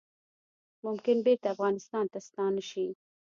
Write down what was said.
ممکن بیرته افغانستان ته ستانه شي